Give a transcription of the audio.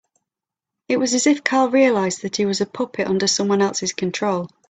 It was as if Carl realised that he was a puppet under someone else's control.